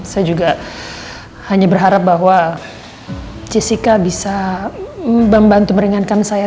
saya juga hanya berharap bahwa jessica bisa membantu meringankan saya